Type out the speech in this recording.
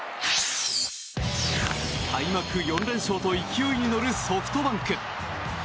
開幕４連勝と勢いに乗るソフトバンク。